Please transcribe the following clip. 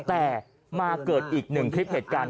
แต่มาเกิดอีกหนึ่งคลิปเหตุการณ์